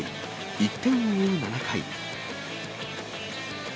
１点を追う７回。